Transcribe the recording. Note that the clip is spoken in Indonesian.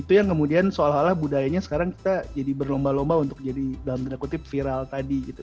itu yang kemudian seolah olah budayanya sekarang kita jadi berlomba lomba untuk jadi dalam tanda kutip viral tadi gitu